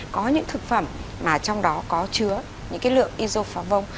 có những thực phẩm mà trong đó có chứa những cái lượng insofarvong